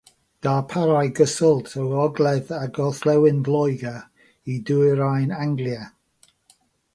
Darparai gyswllt o ogledd a gorllewin Lloegr i Ddwyrain Anglia.